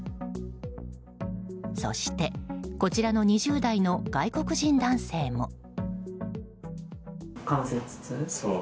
そして、こちらの２０代の外国人男性も。